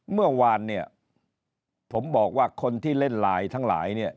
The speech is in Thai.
เมื่อวานเนี่ยผมบอกว่าคนที่เล่นไลน์ทั้งหลายเนี่ย